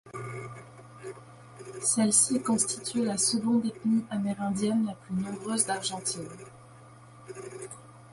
Celle-ci constitue la seconde ethnie amérindienne la plus nombreuse d'Argentine.